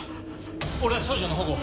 俺は少女の保護を。